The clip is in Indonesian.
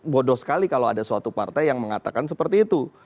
bodoh sekali kalau ada suatu partai yang mengatakan seperti itu